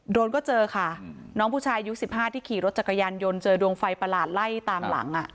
โดนก็เจอค่ะน้องผู้ชายอายุ๑๕ที่ขี่รถจักรยานยนต์เจอดวงไฟประหลาดไล่ตามหลัง